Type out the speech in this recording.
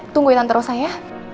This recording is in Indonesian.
tungguin tante rosa ya